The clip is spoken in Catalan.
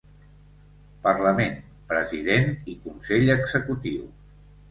Parlament, president i Consell Executiu.